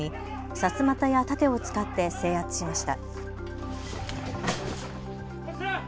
さすまたや盾を使って制圧しました。